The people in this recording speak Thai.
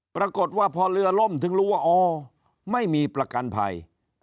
ปรากฏว่าพอเรือล่มถึงรู้ว่าอ๋อไม่มีประกันภัย